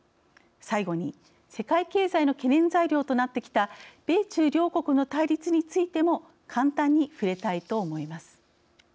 最後に、世界経済の懸念材料となってきた米中両国の対立についても簡単に触れたいと思います。